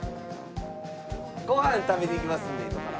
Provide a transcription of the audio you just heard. ご飯食べに行きますので今から。